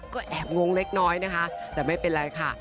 ก็แอบงงเล็กน้อยนะคะแต่ไม่เป็นไรค่ะ